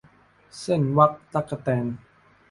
เซ่นวักตั๊กแตน